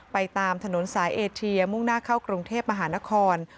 ตามถนนสายเอเทียมุ่งหน้าเข้ากรุงเทพมหานคร